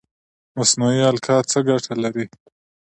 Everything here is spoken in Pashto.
مصنوعي القاح څه ګټه لري؟